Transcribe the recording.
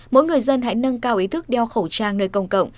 mỗi người dân hãy nâng cao ý thức đeo khẩu trang nơi công cộng